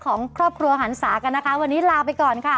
ของครอบครัวหันศากันนะคะวันนี้ลาไปก่อนค่ะ